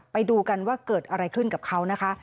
ไปดูกันว่าเกิดอะไรขึ้นกับเขานะคะ